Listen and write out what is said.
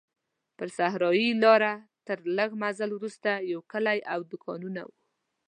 پر صحرایي لاره تر لږ مزل وروسته یو کلی او دوکانونه وو.